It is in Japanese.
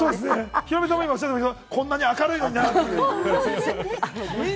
ヒロミさんも今おっしゃってましたけれども、こんなに明るいのになって。